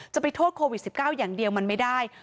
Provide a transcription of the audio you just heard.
จะไปโทษโควิด๑๙อย่างเดียวมันไม่ได้